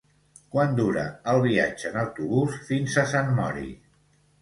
Quant dura el viatge en autobús fins a Sant Mori?